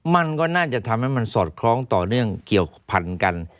มันก็น่าจะทำให้มันสอดคล้องต่อเนื่องเกี่ยวพันกัน